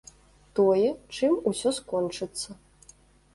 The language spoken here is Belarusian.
Тое, чым усё скончыцца.